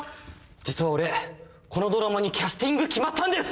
実は俺このドラマにキャスティング決まったんです！